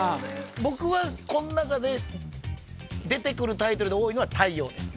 僕はこん中で出てくるタイトルで多いのは太陽です